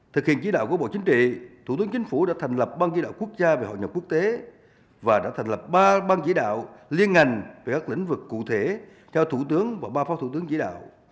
thực hiện chí đạo của bộ chính trị thủ tướng chính phủ đã thành lập ban chỉ đạo quốc gia về hội nhập quốc tế và đã thành lập ba ban chỉ đạo liên ngành về các lĩnh vực cụ thể cho thủ tướng và ba phó thủ tướng chỉ đạo